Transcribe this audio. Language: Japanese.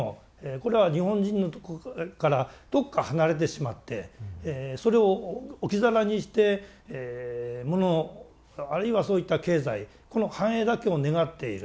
これは日本人のとこからどっか離れてしまってそれを置き去りにしてものあるいはそういった経済この繁栄だけを願っている。